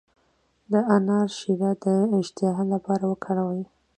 د انار شیره د اشتها لپاره وکاروئ